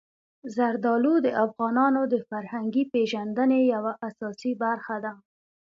زردالو د افغانانو د فرهنګي پیژندنې یوه اساسي برخه ده.